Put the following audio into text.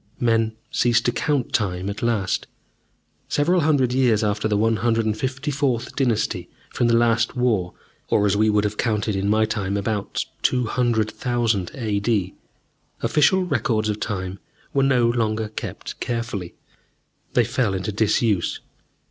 Men ceased to count time at last. Several hundred years after the 154th Dynasty from the Last War, or, as we would have counted in my time, about 200,000 A.D., official records of time were no longer kept carefully. They fell into disuse.